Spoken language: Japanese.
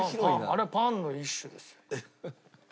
あれはパンの一種ですよ。